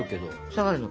下がるの。